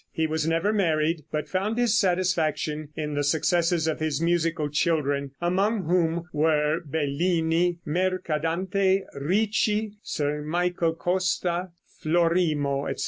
He was never married, but found his satisfaction in the successes of his musical children, among whom were Bellini, Mercadante, Ricci, Sir Michael Costa, Florimo, etc.